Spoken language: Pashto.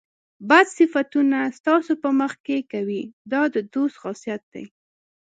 بد صفتونه ستاسو په مخ کې کوي دا د دوست خاصیت دی.